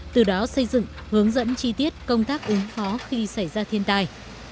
từ đó xây dựng hướng dẫn chi tiết công tác ứng phó khi xảy ra thiên tai